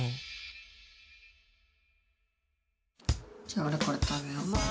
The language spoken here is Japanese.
じゃあおれこれ食べよう。